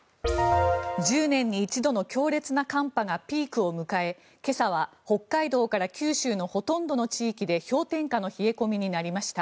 １０年に一度の強烈な寒波がピークを迎え今朝は北海道から九州のほとんどの地域で氷点下の冷え込みになりました。